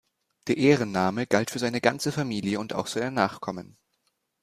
Der Ehrenname galt für seine ganze Familie und auch seine Nachkommen.